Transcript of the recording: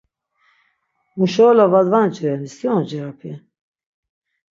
Muşeula va dvancireni, si oncirapi?